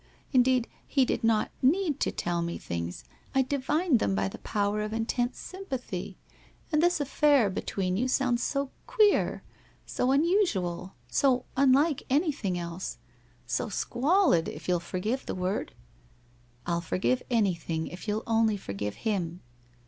Indeed he did not need to tell me things, I divined them by the power of intense sympathy. And this affair between you sounds so queer, so unusual, so un like anything else — so squalid, if you'll forgive the word '' I'll forgive anything, if you'll only forgive him.'